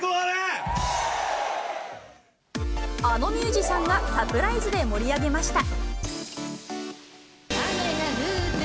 あのミュージシャンがサプライズで盛り上げました。